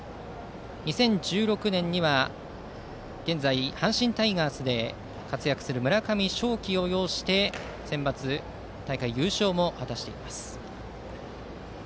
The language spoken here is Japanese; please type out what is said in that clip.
２０１６年には現在、阪神タイガースで活躍する村上頌樹を擁してセンバツ大会で優勝も果たしています。